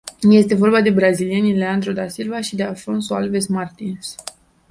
Este vorba de brazilienii Leandro da Silva și de Afonso Alves Martins.